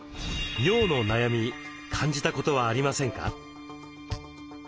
尿の悩み感じたことはありませんか？